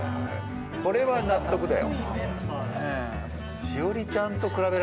これは納得だよ。